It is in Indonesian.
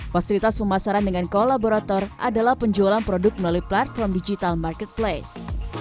fasilitas pemasaran dengan kolaborator adalah penjualan produk melalui platform digital marketplace